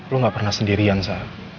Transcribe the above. lo gak pernah sendirian saya